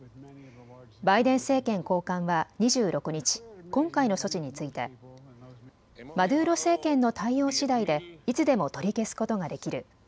バイデン政権高官は２６日、今回の措置についてマドゥーロ政権の対応しだいでいつでも取り消すことができる。